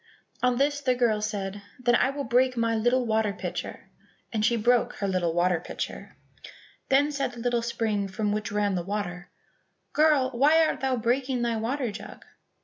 On this the girl said, "Then I will break my little water pitcher," and she broke her little water pitcher. Then said the little spring from which ran the water, "Girl, why art thou breaking thy water jug?"